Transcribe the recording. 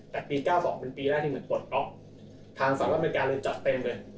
แต่ปี๙๒เป็นปีแรกที่เหมือนปลดล็อกทางสหรัฐอเมริกาเลยจัดเต็มเลย